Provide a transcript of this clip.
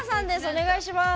お願いします。